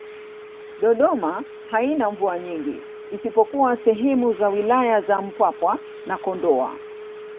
Dodoma haina mvua nyingi isipokuwa sehemu za wilaya za Mpwapwa na Kondoa